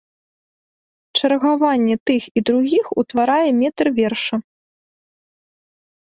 Чаргаванне тых і другіх утварае метр верша.